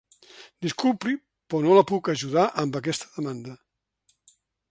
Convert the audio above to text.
Disculpi però no la puc ajudar amb aquesta demanda.